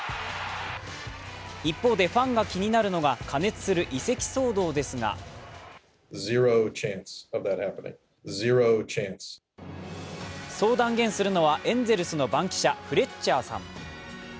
一方でファンが気になるのが加熱する移籍騒動ですがそう断言するのはエンゼルスの番記者・フレッチャーさん。